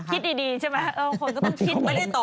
คิดดีใช่ไหมคนก็ต้องคิดดี